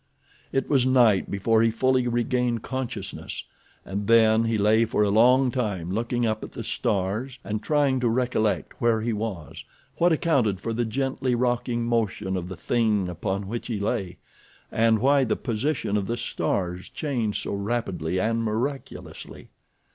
It was night before he fully regained consciousness. And then he lay for a long time looking up at the stars and trying to recollect where he was, what accounted for the gently rocking motion of the thing upon which he lay, and why the position of the stars changed so rapidly and miraculously.